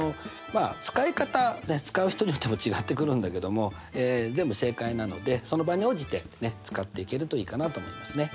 使い方使う人によっても違ってくるんだけども全部正解なのでその場に応じて使っていけるといいかなと思いますね。